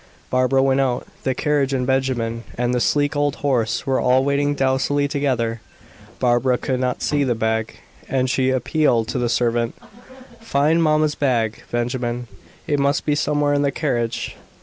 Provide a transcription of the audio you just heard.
Barbara went out. The carriage and Benjamin and the sleek old horse were all waiting drowsily together. Barbara could not see the bag, and she appealed to the servant. "Find mamma's bag, Benjamin. It must be somewhere in the carriage."